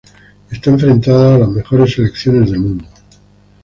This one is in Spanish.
Esta enfrentaba a las mejores selecciones del mundo.